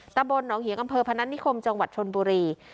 ตะบนน้องเหยียงกำเภอพนันธนิคมจังหวัดชนบุรี